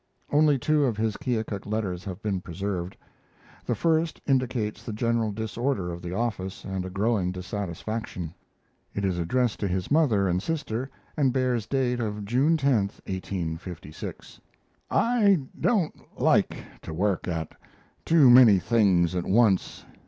Only two of his Keokuk letters have been preserved. The first indicates the general disorder of the office and a growing dissatisfaction. It is addressed to his mother and sister and bears date of June 10, 1856. I don't like to work at too many things at once.